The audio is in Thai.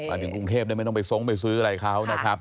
ถึงกรุงเทพได้ไม่ต้องไปทรงไปซื้ออะไรเขานะครับ